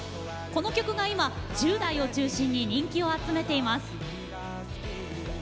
この曲が今、１０代を中心に人気を集めています。